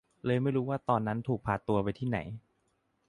เลยไม่รู้ว่าตอนนั้นถูกพาตัวไปที่ไหน